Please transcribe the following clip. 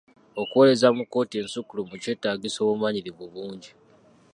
Okuweereza mu kkooti ensukkulumu kyetaagisa obumanyirivu bungi.